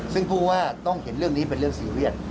ซึ่งพูดว่าต้องเห็นเรื่องนี้เป็นเรื่องซีเรียส